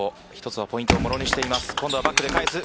１つのポイントをものにしています。